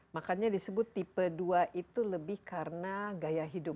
makanya disebut tipe dua itu lebih karena gaya hidup